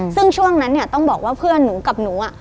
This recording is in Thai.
ซึ่งช่วงนั้นเนี่ยต้องบอกว่าเพื่อนหนูกับหนู